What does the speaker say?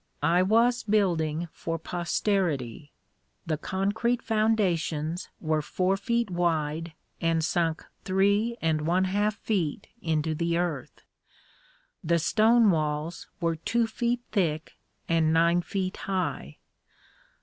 I was building for posterity. The concrete foundations were four feet wide and sunk three and one half feet into the earth. The stone walls were two feet thick and nine feet high.